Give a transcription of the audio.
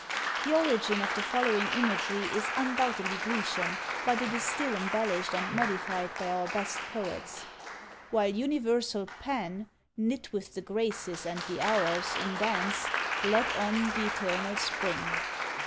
The origin of the following imagery is undoubtedly Grecian; but it is still embellished and modified by our best poets: While universal Pan, Knit with the graces and the hours, in dance Led on th' eternal spring.